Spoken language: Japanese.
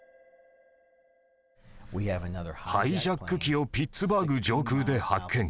ハイジャック機をピッツバーグ上空で発見。